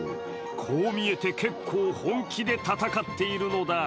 こう見えて結構本気で戦っているのだ。